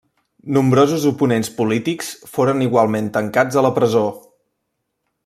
Nombrosos oponents polítics foren igualment tancats a la presó.